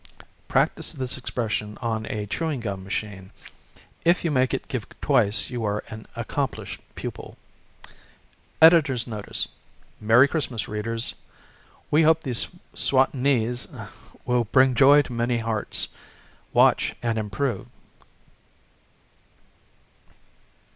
Practice this expression on a chewing gum ma chine. If you make it give twice you are an accomplished pupil. Editor's Notic: Merry Xinas, readers. Jl'e hope these soitenees will bring joy to many hearts. Watch ami hnprove.